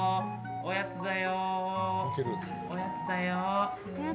おやつだよ。